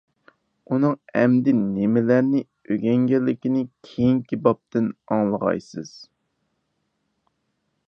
ئۇنىڭ ئەمدى نېمىلەرنى ئۆگەنگەنلىكىنى كېيىنكى بابتىن ئاڭلىغايسىز.